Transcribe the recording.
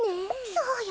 そうよ